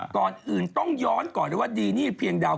ตอนต้องย้อนก่อนว่าดีนี้เภียงดาว